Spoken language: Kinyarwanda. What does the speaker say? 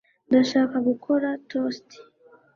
ndashaka gukora toast